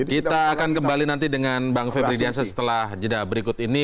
kita akan kembali nanti dengan bang febri diansyah setelah jeda berikut ini